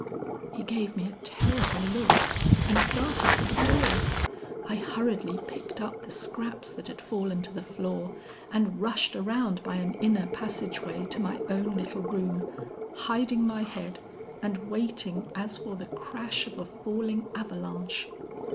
"He gave me a terrible look and started for the door. I hurriedly picked up the scraps that had fallen to the floor, and rushed around by an inner passage way to my own little room, hiding my head and waiting as for the crash of a falling avalanche.